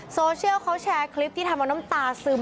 โซเชียลเขาแชร์คลิปที่ทำเอาน้ำตาซึม